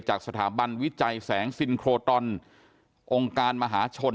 จากสถาบันวิจัยแสงซินโครตรอนองค์การมหาชน